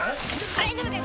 大丈夫です